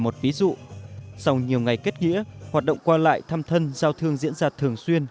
một ví dụ sau nhiều ngày kết nghĩa hoạt động qua lại thăm thân giao thương diễn ra thường xuyên